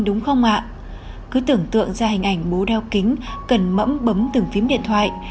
đúng không ạ cứ tưởng tượng ra hình ảnh bố đao kính cần mẫm bấm từng phím điện thoại